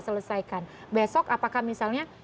selesaikan besok apakah misalnya